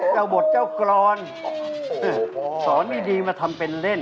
เจ้าบทเจ้ากรอนสอนไม่ดีมาทำเป็นเล่น